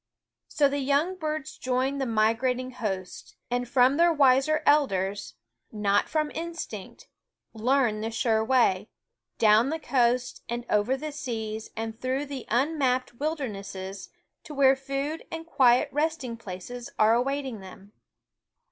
So the young birds join the migrating hosts, and from their wiser W SCffOOL OF elders, not from instinct, learn the sure way, f) fft W down the coast and over the seas and through ~^ fo School ^ ne unmapped wildernesses, to where food and quiet resting places are awaiting them.